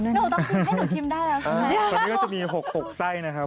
หนูต้องชิมด้วยเนี่ยให้หนูชิมได้แล้วใช่ไหม